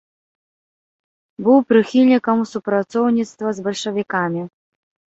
Быў прыхільнікам супрацоўніцтва з бальшавікамі.